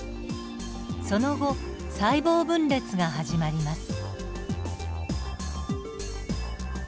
その後細胞分裂が始まります。